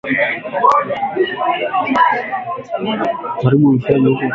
Hayo yalijiri huku mshukiwa aliyekamatwa kuhusiana na moto wa awali, akitarajiwa kufikishwa mahakamani